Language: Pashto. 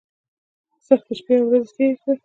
سختۍ شپې او ورځې تېرې کړې.